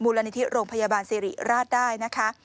ละนิธิโรงพยาบาลสิริราชได้นะคะ